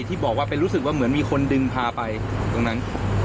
ที่บอกว่าเป็นรู้สึกว่าเหมือนมีคนดึงพาไปตรงนั้น